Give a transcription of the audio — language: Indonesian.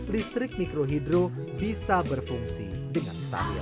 listrik mikrohidro bisa berfungsi dengan stabil